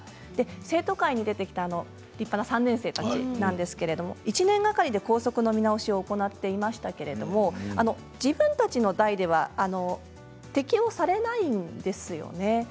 生徒会に出てきた立派な３年生たちは１年がかりで校則の見直しを行っていましたが自分たちの代では適用されないんですよね。